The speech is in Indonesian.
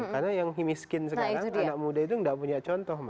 karena yang miskin sekarang anak muda itu tidak punya contoh